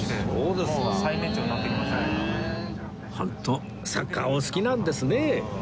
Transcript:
ホントサッカーお好きなんですね